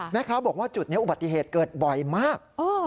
แม่ค้าบอกว่าจุดนี้อุบัติเหตุเกิดบ่อยมาก